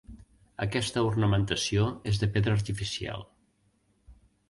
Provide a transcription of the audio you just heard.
Aquesta ornamentació és de pedra artificial.